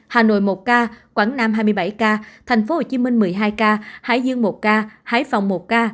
hà nội một ca quảng nam hai mươi bảy ca tp hcm một mươi hai ca hải dương một ca hải phòng một ca